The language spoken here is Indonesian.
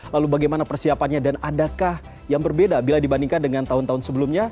lalu bagaimana persiapannya dan adakah yang berbeda bila dibandingkan dengan tahun tahun sebelumnya